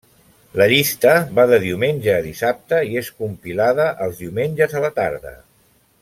La llista va de diumenge a dissabte i és compilada els diumenges a la tarda.